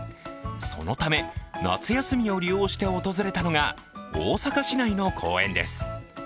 そのため、夏休みを利用して訪れたのが大阪市内の公園です。